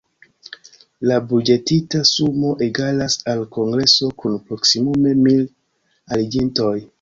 La buĝetita sumo egalas al kongreso kun proksimume mil aliĝintoj.